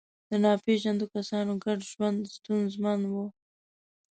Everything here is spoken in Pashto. د ناپېژاندو کسانو ګډ ژوند ستونزمن و.